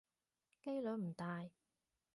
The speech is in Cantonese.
機率唔大